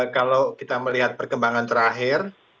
kalau kita melihat perkembangan terakhir